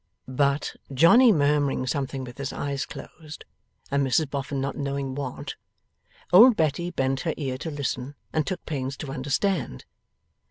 But, Johnny murmuring something with his eyes closed, and Mrs Boffin not knowing what, old Betty bent her ear to listen and took pains to understand.